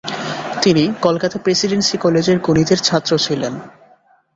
তিনি কলকাতা প্রেসিডেন্সি কলেজের গণিতের ছাত্র ছিলেন।